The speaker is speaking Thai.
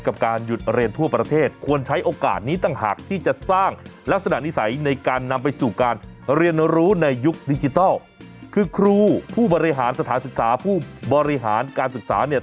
บริหารสถานศึกษาผู้บริหารการศึกษาเนี่ย